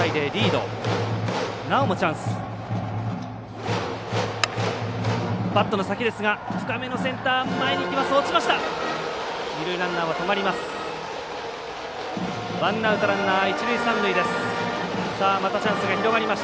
二塁ランナーは止まります。